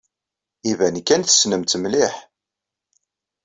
Iban kan tessnemt-tt mliḥ.